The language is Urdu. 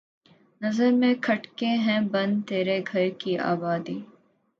نظر میں کھٹکے ہے بن تیرے گھر کی آبادی